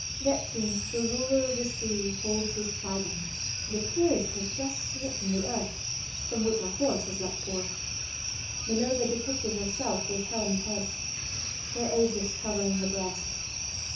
Neptune, the ruler of the sea, holds his trident, and appears to have just smitten the earth, from which a horse has leaped forth. Minerva depicted herself with helmed head, her Aegis covering her breast.